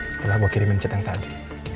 setelah gue kirimin chat yang tadi